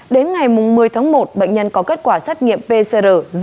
đến ngày một mươi tháng một bệnh nhân có kết quả xét nghiệm pcr